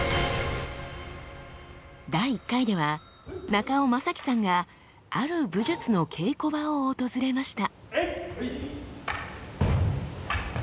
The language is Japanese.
第１回では中尾暢樹さんがある武術の稽古場を訪れました。